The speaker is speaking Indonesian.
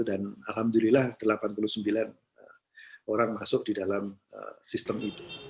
dan alhamdulillah delapan puluh sembilan orang masuk di dalam sistem itu